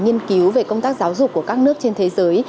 nghiên cứu về công tác giáo dục của các nước trên thế giới